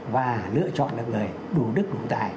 và lựa chọn được người đủ đức đủ tài